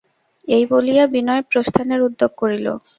এই বলিয়া বিনয় প্রস্থানের উদ্যোগ করিল।